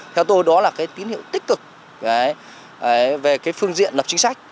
theo tôi đó là tín hiệu tích cực về phương diện lập chính sách